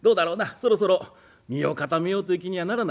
そろそろ身を固めようという気にはならないかい？」。